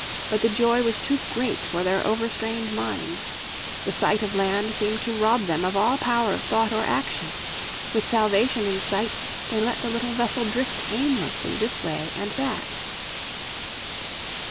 But the joy was too great for their over strained minds. The sight of land seemed to rob them of all power of thought or action. With salvation in sight they let the little vessel drift aimlessly this way and that.